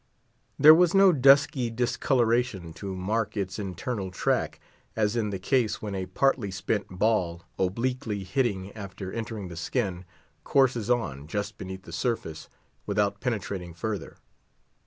There was no dusky discoloration to mark its internal track, as in the case when a partly spent ball—obliquely hitting—after entering the skin, courses on, just beneath the surface, without penetrating further.